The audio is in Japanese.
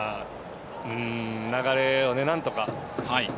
流れをなんとか。